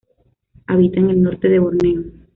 Habita en el norte de Borneo.